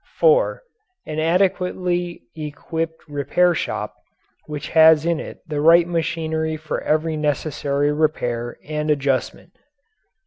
(4) An adequately equipped repair shop which has in it the right machinery for every necessary repair and adjustment.